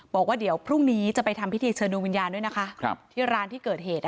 บอกว่าเดี๋ยวพรุ่งนี้จะไปทำพิธีเชิญดวงวิญญาณด้วยนะคะที่ร้านที่เกิดเหตุ